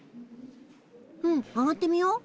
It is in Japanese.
うん上がってみよう。